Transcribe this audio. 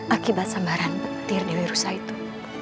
akibat sembaran petir di wirusa itu